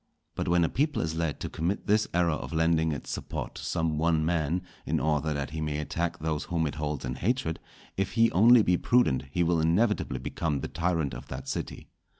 But when a people is led to commit this error of lending its support to some one man, in order that he may attack those whom it holds in hatred, if he only be prudent he will inevitably become the tyrant of that city.